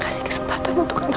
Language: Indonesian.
kasih kesempatan untuk kenal mama